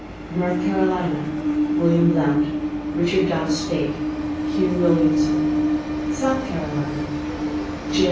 North Carolina Wm. Blount Rich'd Dobbs Spaight Hu Williamson South Carolina J.